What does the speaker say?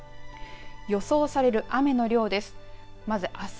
予想される雨の量です。